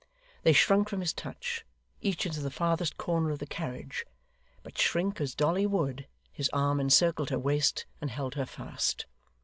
They shrunk from his touch, each into the farthest corner of the carriage; but shrink as Dolly would, his arm encircled her waist, and held her fast.